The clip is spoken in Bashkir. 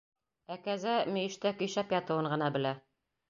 Ә кәзә мөйөштә көйшәп ятыуын ғына белә.